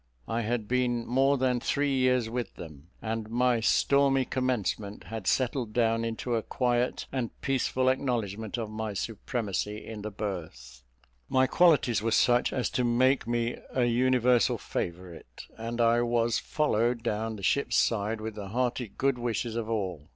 I had been more than three years with them; and my stormy commencement had settled down into a quiet and peaceful acknowledgment of my supremacy in the berth; my qualities were such as to make me a universal favourite, and I was followed down the ship's side with the hearty good wishes of all.